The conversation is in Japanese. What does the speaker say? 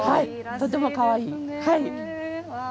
とてもかわいい。